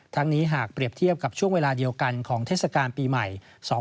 นี้หากเปรียบเทียบกับช่วงเวลาเดียวกันของเทศกาลปีใหม่๒๕๖